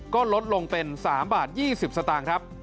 ก็ลดลงเป็น๓บาท๒๐สตางค์ครับ